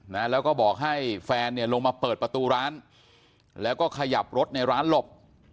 นะแล้วก็บอกให้แฟนเนี่ยลงมาเปิดประตูร้านแล้วก็ขยับรถในร้านหลบ